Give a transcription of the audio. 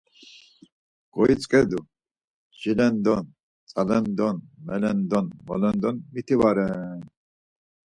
Goitzǩedu, jilendon, tzalendon, melendon, molendon miti var en.